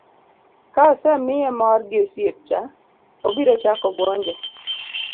ka osemiye mor gi osiep cha, obiro chako buonjo